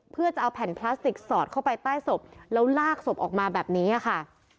เพื่อจะเอาแผ่นพลาสติกสอดเข้าไปใต้ศพแล้วลากศพออกมาแบบนี้ค่ะ